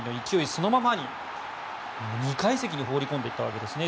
そのままに２階席に放り込んでいったわけですね。